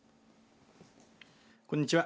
こんにちは。